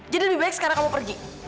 jadi lebih baik sekarang kamu pergi